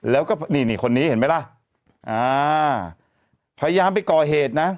แล้วก็นี่นี่คนนี้เห็นไหมล่ะอ่าพยายามไปก่อเหตุนะ